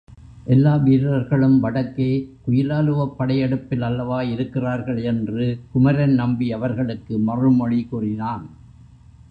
எல்லா வீரர்களும் வடக்கே குயிலாலுவப் படையெடுப்பில் அல்லவா இருக்கிறார்கள்? என்று குமரன் நம்பி அவர்களுக்கு மறுமொழி கூறினான்.